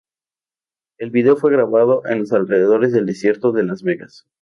El vídeo fue grabado en los alrededores del desierto de Las Vegas.